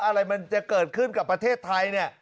อะไรมันจะเกิดขึ้นกับประเทศไทยเนี่ย